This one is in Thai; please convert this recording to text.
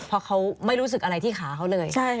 เพราะเขาไม่รู้สึกอะไรที่ขาเขาเลย